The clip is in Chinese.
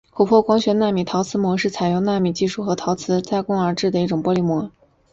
琥珀光学纳米陶瓷膜是采用纳米技术和陶瓷材质加工制作的一种玻璃膜。